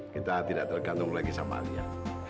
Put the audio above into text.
kita tidak tergantung lagi sama alia